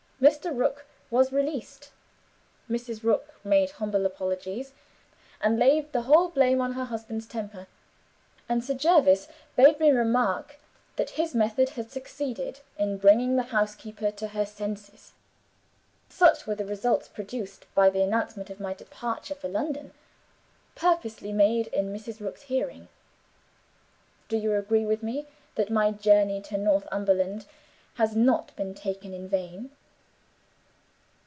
Mr. Rook was released; Mrs. Rook made humble apologies, and laid the whole blame on her husband's temper: and Sir Jervis bade me remark that his method had succeeded in bringing the housekeeper to her senses. Such were the results produced by the announcement of my departure for London purposely made in Mrs. Rook's hearing. Do you agree with me, that my journey to Northumberland has not been taken in vain?"